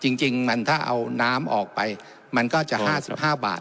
จริงจริงมันถ้าเอาน้ำออกไปมันก็จะห้าสิบห้าบาท